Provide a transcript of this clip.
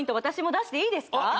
私も出していいですか？